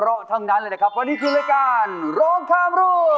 เพราะทั้งนั้นเลยนะครับวันนี้คือรายการร้องข้ามรู